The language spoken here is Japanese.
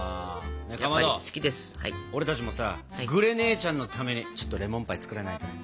かまど俺たちもさグレ姉ちゃんのためにちょっとレモンパイ作らないとね。